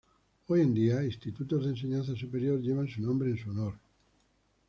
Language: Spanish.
Hoy en día Institutos de Enseñanza Superior llevan su nombre en su honor.